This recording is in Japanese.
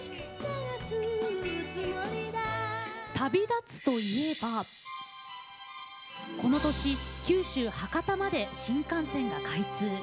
旅立つといえばこの年九州博多まで新幹線が開通。